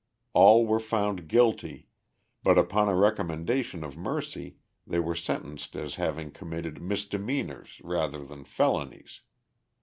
All were found guilty, but upon a recommendation of mercy they were sentenced as having committed misdemeanours rather than felonies.